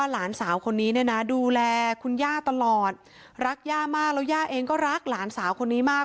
หลานสาวคนนี้เนี่ยนะดูแลคุณย่าตลอดรักย่ามากแล้วย่าเองก็รักหลานสาวคนนี้มาก